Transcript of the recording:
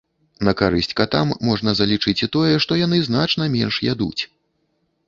На карысць катам можна залічыць і тое, што яны значна менш ядуць.